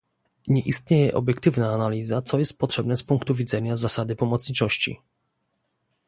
Nie istnieje obiektywna analiza, co jest potrzebne z punktu widzenia zasady pomocniczości